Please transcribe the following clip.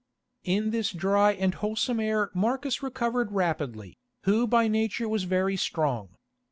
In this dry and wholesome air Marcus recovered rapidly, who by nature was very strong.